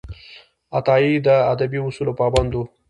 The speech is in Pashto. عطايي د ادبي اصولو پابند و.